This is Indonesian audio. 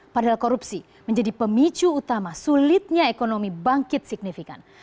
padahal korupsi menjadi pemicu utama sulitnya ekonomi bangkit signifikan